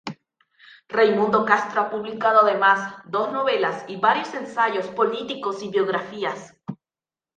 Raimundo Castro ha publicado, además, dos novelas y varios ensayos políticos y biografías.